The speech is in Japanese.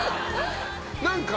何か。